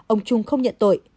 ông trung không nhận tội